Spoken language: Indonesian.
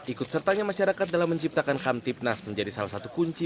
ikut sertanya masyarakat dalam menciptakan kamtipnas menjadi salah satu kunci